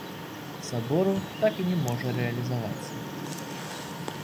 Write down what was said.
Сабору так і не можа рэалізавацца.